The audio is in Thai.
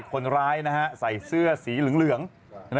โทรเลยตัวเล็กโทรเลยลูก